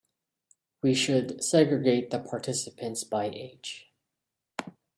We should segregate the participants by age.